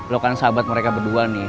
lo kan sahabat mereka berdua nih